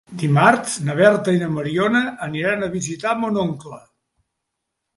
Dimarts na Berta i na Mariona aniran a visitar mon oncle.